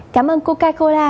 cảm ơn coca cola